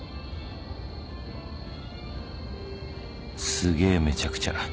すげえめちゃくちゃ。